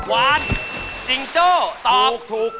วานจิงโจ้ตอบถูก